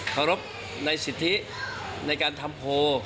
เคารพในสิทธิในการทำโพล